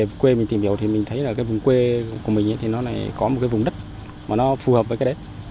vùng quê mình tìm hiểu thì mình thấy là cái vùng quê của mình thì nó này có một cái vùng đất mà nó phù hợp với cái đấy